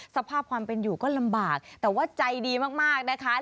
สภาพความเป็นอยู่ก็ลำบากแต่ว่าใจดีมากนะคะ